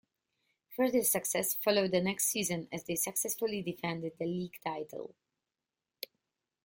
Further success followed the next season as they successfully defended the league title.